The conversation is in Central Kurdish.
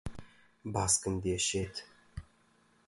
باسکم دێشێت.